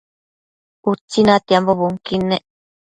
Utsi natiambo bunquid